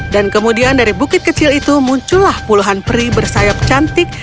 dan kemudian dari bukit kecil itu muncullah puluhan peri bersayap cantik